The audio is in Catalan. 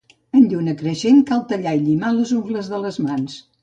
En lluna creixent cal tallar i llimar les ungles de les mans.